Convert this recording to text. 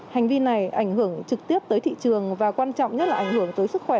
hành vi này ảnh hưởng trực tiếp tới thị trường và quan trọng nhất là ảnh hưởng tới sức khỏe